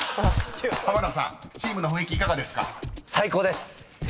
［濱田さんチームの雰囲気いかがですか？］